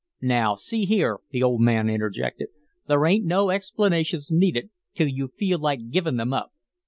"Now, see here," the old man interjected, "there ain't no explanations needed till you feel like givin' them up.